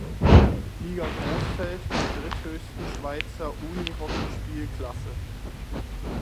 Liga Grossfeld, der dritthöchsten Schweizer Unihockey-Spielklasse.